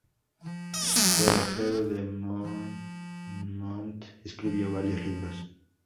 Godofredo de Monmouth escribió varios libros.